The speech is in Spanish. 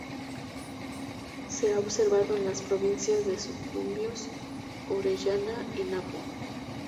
Se ha observado en las provincias de Sucumbíos, Orellana y Napo.